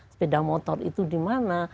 sepeda motor itu dimana